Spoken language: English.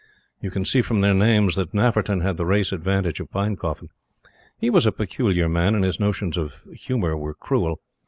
You can see from their names that Nafferton had the race advantage of Pinecoffin. He was a peculiar man, and his notions of humor were cruel.